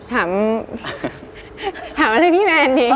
ถามอะไรพี่แมนดิ